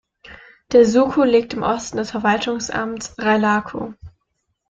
Der Suco liegt im Osten des Verwaltungsamts Railaco.